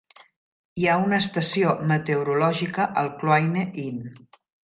Hi ha una estació meteorològica al Cluanie Inn.